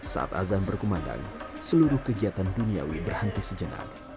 saat azan berkumandang seluruh kegiatan duniawi berhenti sejenak